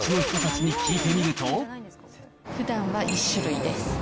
ふだんは１種類です。